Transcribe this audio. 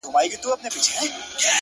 راسره جانانه ستا بلا واخلم؛